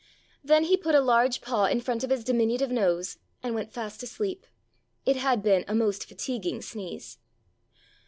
Then he put a large paw in front of his diminutive nose and went fast asleep. It had been a most fatiguing sneeze.